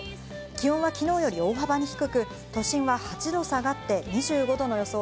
気温は昨日より大幅に低く、都心は８度下がって２５度の予想